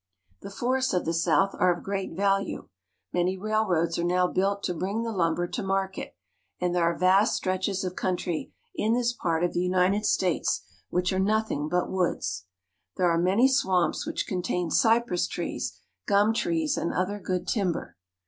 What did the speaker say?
The forests of the South are of great value. Many rail roads are now built to bring the lumber to market, and there are vast stretches of country in this part of the United States which are nothing but woods. There are many swamps which contain cypress trees, gum trees, and other good timber.